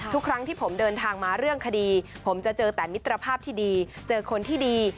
ทุกครั้งที่ผมเดินทางมาเรื่องคดีผมจะเจอแต่มิตรภาพที่ดีเจอคนที่ดี